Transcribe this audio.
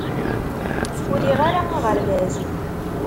Ur riɣ ara aɣerbaz.